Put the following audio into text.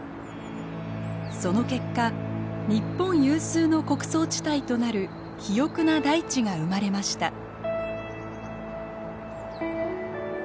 その結果日本有数の穀倉地帯となる肥沃な大地が生まれました。